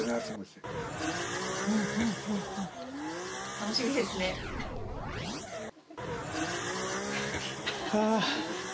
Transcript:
楽しみですね。は。